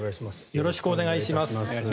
よろしくお願いします。